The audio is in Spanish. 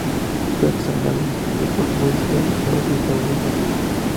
Fue examinado y descrito por Wettstein, Scholz, y Paulin Martin.